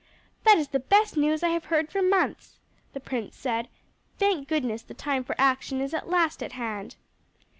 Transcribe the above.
"That is the best news I have heard for months," the prince said; "thank goodness the time for action is at last at hand!"